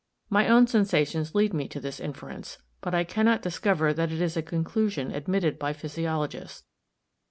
My own sensations lead me to this inference; but I cannot discover that it is a conclusion admitted by physiologists.